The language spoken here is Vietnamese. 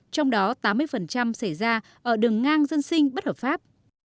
trong đó tám mươi xảy ra ở đường ngang dân sinh bất hợp pháp